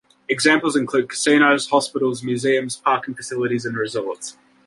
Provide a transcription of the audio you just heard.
Examples include casinos, hospitals, museums, parking facilities, and resorts.